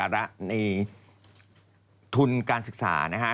แล้วก็เขาไป